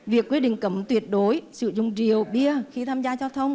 việc quyết định cấm tuyệt đối sử dụng rượu bia khi tham gia giao thông